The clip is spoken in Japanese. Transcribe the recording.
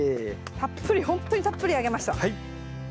たっぷりほんとにたっぷりあげました。